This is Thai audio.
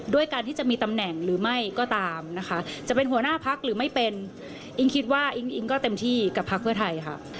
ด้วยการที่จะมีตำแหน่งหรือไม่ก็ตามนะคะจะเป็นหัวหน้าพักหรือไม่เป็นอิ๊งคิดว่าอิ๊งอิงก็เต็มที่กับพักเพื่อไทยค่ะ